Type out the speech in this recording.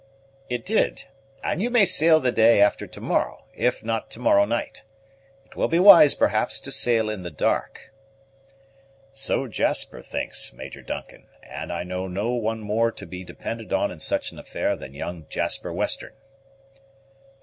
"It did; and you must sail the day after to morrow, if not to morrow night. It will be wise, perhaps, to sail in the dark." "So Jasper thinks, Major Duncan; and I know no one more to be depended on in such an affair than young Jasper Western."